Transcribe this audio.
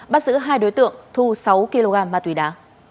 bắt giữ hai đối tượng thu sáu kg ma túy đá